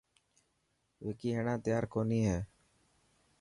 وڪي هيڻان تيار ڪوني هي.